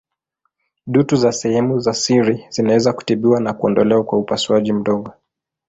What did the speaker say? Dutu za sehemu za siri zinaweza kutibiwa na kuondolewa kwa upasuaji mdogo.